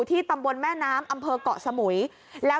นี่มันเป็นไงนี่มันเป็นไง